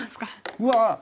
うわ！